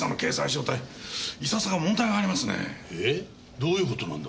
どういうことなんだ？